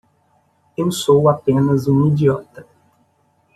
Eu sou apenas um idiota.